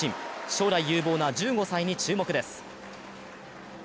将来有望な１５歳に注目です。